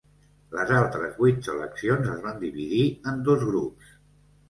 Les altres vuit seleccions es van dividir en dos grups.